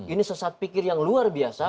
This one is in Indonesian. ini sesat pikir yang luar biasa